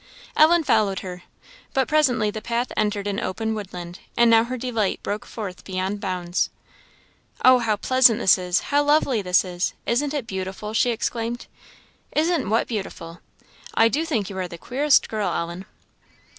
Ellen followed her. But presently the path entered an open woodland, and now her delight broke forth beyond bounds. "Oh, how pleasant this is! how lovely this is! Isn't it beautiful?" she exclaimed. "Isn't what beautiful? I do think you are the queerest girl, Ellen."